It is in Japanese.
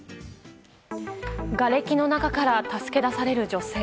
がれきの中から助け出される女性。